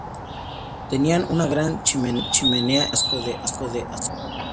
Tenía una gran chimenea y el casco de acero.